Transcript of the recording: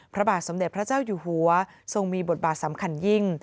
พระบาทสมเด็จพระเจ้าอยู่หัวทรงมีบทบาทสำคัญยิ่ง